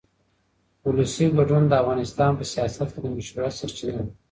ولسي ګډون د افغانستان په سیاست کې د مشروعیت سرچینه ده